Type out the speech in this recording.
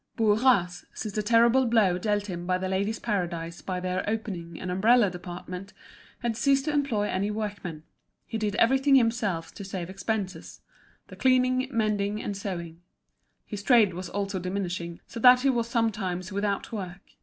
Bourras, since the terrible blow dealt him by The Ladies' Paradise by their opening an umbrella department, had ceased to employ any workwomen. He did everything himself to save expenses—the cleaning, mending, and sewing. His trade was also diminishing, so that he was sometimes without work.